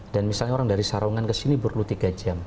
dan misalnya orang dari sarawangan ke sini perlu tiga jam